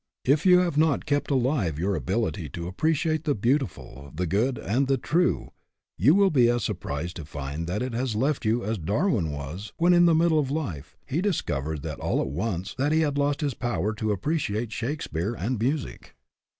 If you have not kept alive your ability to appreciate the beautiful, the good, and the 156 HAPPY? IF NOT, WHY NOT? true, you will be as surprised to find that it has left you as Darwin was when, in middle life, he discovered all at once that he had lost his power to appreciate Shakespeare and music.